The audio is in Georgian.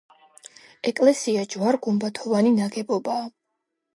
ეკლესია ჯვარ-გუმბათოვანი ნაგებობაა.